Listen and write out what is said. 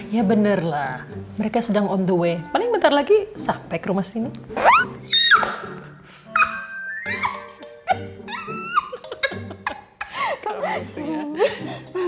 ya bener lah mereka sedang on the way paling bentar lagi sampai ke rumah sini